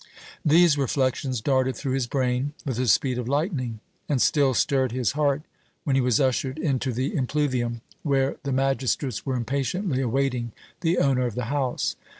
These reflections darted through his brain with the speed of lightning, and still stirred his heart when he was ushered into the impluvium, where the magistrates were impatiently awaiting the owner of the house.